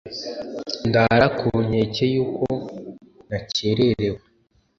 ndara ku nkeke y'uko nacyererewe